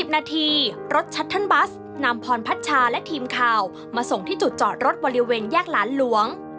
นาทีรถชัตเทิร์นบัสนำพรพัชชาและทีมข่าวมาส่งที่จุดจอดรถบริเวณแยกหลานหลวง